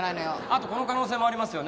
あとこの可能性もありますよね。